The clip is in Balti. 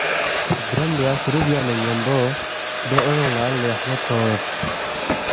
چھیگرَم بیا شروع بیا نہ ن٘یمبو دو ایونگ لہ لیخمو مہ ژھورس